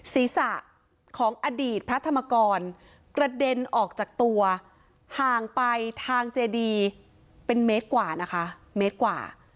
ศีรษะของอดีตพระธรรมกรกระเด็นออกจากตัวห่างไปทางเจดีเป็นเมตรกว่านะคะเมตรกว่า